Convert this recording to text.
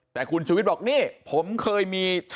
แต่คุณชูวิทย์บอกนี่ผมเคยมี